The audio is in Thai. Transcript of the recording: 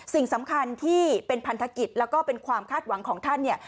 สิ่งสำคัญที่เป็นพันธกิจแล้วก็เป็นความคาดหวังของท่านเนี่ย